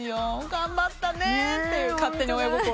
頑張ったねって勝手に親心で。